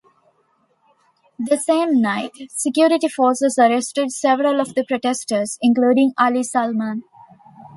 The same night, security forces arrested several of the protesters, including Ali Salman.